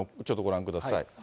ちょっとご覧ください。